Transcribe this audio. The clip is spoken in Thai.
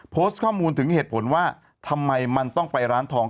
โพสต์ข้อมูลถึงเหตุผลว่าทำไมมันต้องไปร้านทอง